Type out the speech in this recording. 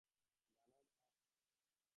দানব, হাহ?